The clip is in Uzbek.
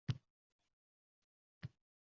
Lekin hech biridan qilgan xizmati uchun haq olmasdi.